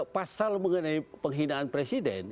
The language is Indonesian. pasal mengenai penghinaan presiden